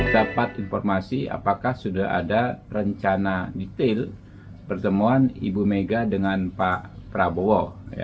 dapat informasi apakah sudah ada rencana detail pertemuan ibu mega dengan pak prabowo